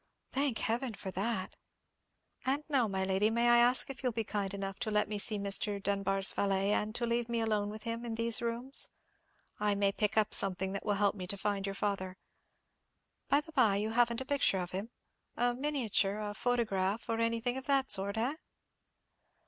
"Thank Heaven for that!" "And now, my lady, may I ask if you'll be kind enough to let me see Mr. Dunbar's valet, and to leave me alone with him in these rooms? I may pick up something that will help me to find your father. By the bye, you haven't a picture of him—a miniature, a photograph, or anything of that sort, eh?"